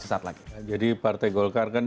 sesat lagi jadi partai golkar kan